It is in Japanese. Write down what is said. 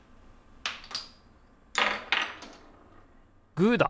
グーだ！